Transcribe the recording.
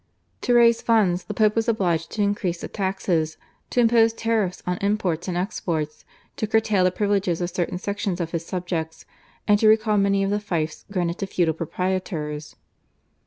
To raise funds the Pope was obliged to increase the taxes, to impose tariffs on imports and exports, to curtail the privileges of certain sections of his subjects, and to recall many of the fiefs granted to feudal proprietors.